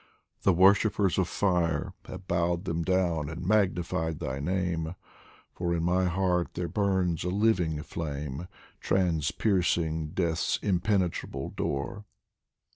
the worshippers of fire Have bowed them down and magnified my name, For in my heart there burns a living flame, Transpiercing Death's impenetrable door.